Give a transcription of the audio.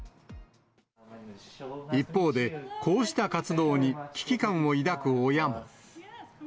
一方で、こうした活動に危機感を抱く親も。